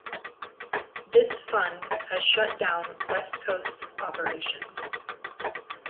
This fund has shut down West Coast operations.